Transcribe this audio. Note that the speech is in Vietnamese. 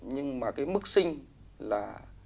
nhưng mức sinh là